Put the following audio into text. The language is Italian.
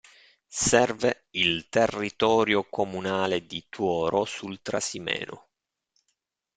Serve il territorio comunale di Tuoro sul Trasimeno.